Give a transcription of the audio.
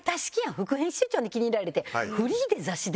副編集長に気に入られて。